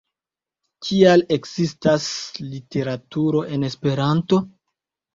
Kial ekzistas literaturo en Esperanto?